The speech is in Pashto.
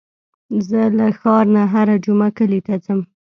زه له ښار نه هره جمعه کلي ته ځم.